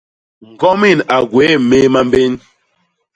Ñgomin a gwéé méé mambén.